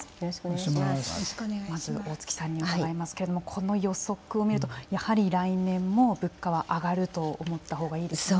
まず大槻さんに伺いますけれどもこの予測を見るとやはり来年も物価は上がると思ったほうがいいですか。